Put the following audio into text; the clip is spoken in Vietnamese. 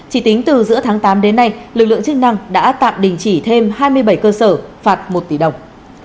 chỉ tính từ giữa tháng tám đến nay lực lượng chức năng đã tạm đình chỉ thêm hai mươi bảy cơ sở phạt một tỷ đồng